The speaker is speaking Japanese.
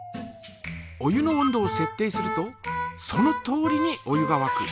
お湯の温度をせっ定するとそのとおりにお湯がわく。